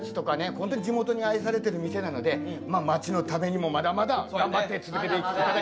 ホントに地元に愛されてる店なので街のためにもまだまだ頑張って続けていただきたいと思っておりますので。